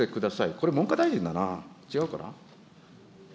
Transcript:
これ、文科大臣かな、違うかな。